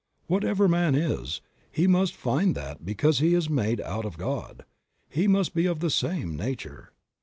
What ever man is, he must find that because he is made out of God, he must be of the same nature.